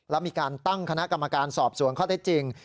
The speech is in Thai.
และมีการตั้งคณะกรรมการสอบสวนข้อได้จริง